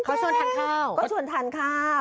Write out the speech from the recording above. เขาชวนทานข้าว